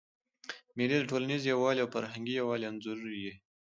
مېلې د ټولنیز یووالي او فرهنګي یووالي انځور يي.